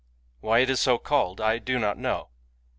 Why it is so called I do not know.